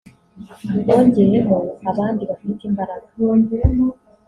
bongeyemo abandi bafite imbaraga